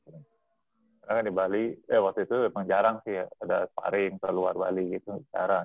karena kan di bali ya waktu itu memang jarang sih ya ada sparring ke luar bali gitu jarang